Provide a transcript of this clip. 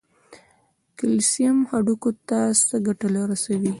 کلسیم هډوکو ته څه ګټه رسوي؟